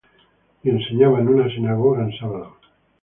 Y enseñaba en una sinagoga en sábado.